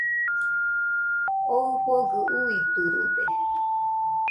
Oo ɨfogɨ uiturude